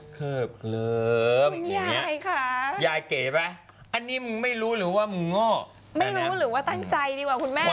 เคิบเคลิ้มยายเก๋ไหมอันนี้มึงไม่รู้หรือว่ามึงง่อไม่รู้หรือว่าตั้งใจดีกว่าคุณแม่